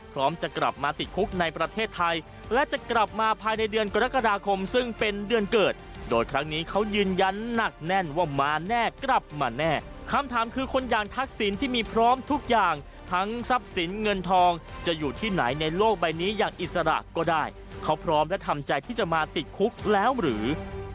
พร้อมจะกลับมาติดคุกในประเทศไทยและจะกลับมาภายในเดือนกรกฎาคมซึ่งเป็นเดือนเกิดโดยครั้งนี้เขายืนยันหนักแน่นว่ามาแน่กลับมาแน่คำถามคือคนอย่างทักษิณที่มีพร้อมทุกอย่างทั้งทรัพย์สินเงินทองจะอยู่ที่ไหนในโลกใบนี้อย่างอิสระก็ได้เขาพร้อมและทำใจที่จะมาติดคุกแล้วหรือ